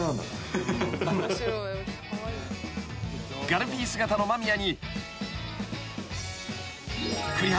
［ガルフィー姿の間宮に］